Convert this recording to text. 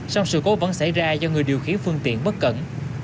song sự cố vẫn xảy ra do người điều khiển phương tiện bất cẩn